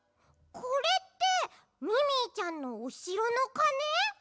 これってミミィちゃんのおしろのかね？